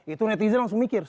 itu netizen langsung mikir